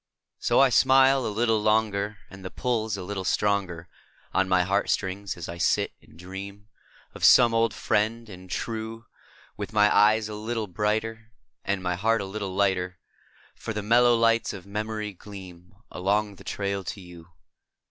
S O I smile a little longer, And the pull's a little stronger On mg heart strings as I sit and ] dream of some old "friend and true °(Dith mg eges a little brighter And mg heart a little lighter, por the mellow lights OT memorij qleam Aloncj the trail to gou.